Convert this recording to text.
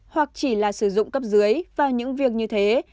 hoặc chỉ là sử dụng cấp dưới vào những việc như thế